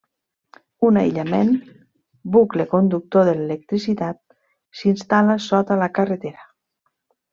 Un aïllament, bucle conductor de l'electricitat s'instal·la sota la carretera.